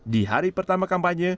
di hari pertama kampanye